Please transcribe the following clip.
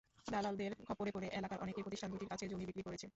দালালদের খপ্পরে পড়ে এলাকার অনেকেই প্রতিষ্ঠান দুটির কাছে জমি বিক্রি করেছে।